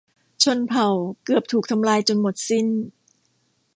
ชนเผ่าเกือบถูกทำลายจนหมดสิ้น